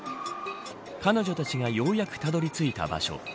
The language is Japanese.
彼女たちがようやくたどり着いた場所